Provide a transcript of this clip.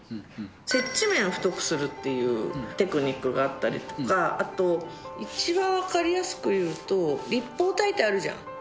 接地面を太くするっていうテクニックがあったりとか、あと一番分かりやすく言うと、立方体ってあるじゃん。